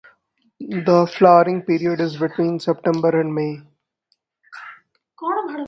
The flowering period is between September and May.